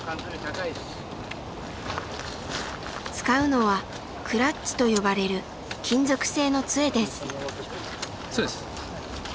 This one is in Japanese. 使うのは「クラッチ」と呼ばれる金属製の杖です。